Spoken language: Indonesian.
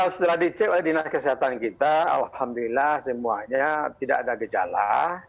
setelah dicek oleh dinas kesehatan kita alhamdulillah semuanya tidak ada gejala